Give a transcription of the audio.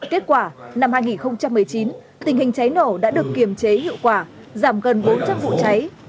kết quả năm hai nghìn một mươi chín tình hình cháy nổ đã được kiềm chế hiệu quả giảm gần bốn trăm linh vụ cháy